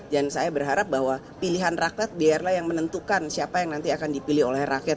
saya berharap bahwa pilihan rakyat biarlah yang menentukan siapa yang nanti akan dipilih oleh rakyat